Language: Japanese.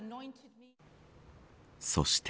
そして。